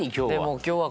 今日は。